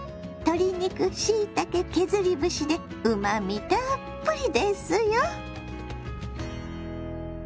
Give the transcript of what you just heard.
鶏肉しいたけ削り節でうまみたっぷりですよ。